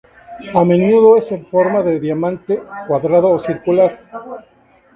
A menudo es en forma de diamante, cuadrado o circular.